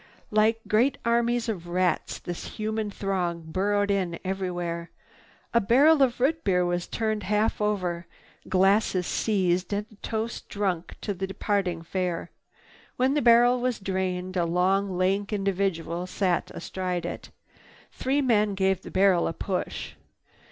Like great armies of rats, this human throng burrowed in everywhere. A barrel of rootbeer was turned half over, glasses seized and a toast drunk to the departing Fair. When the barrel was drained a long, lank individual sat astride it. Three men gave the barrel a push.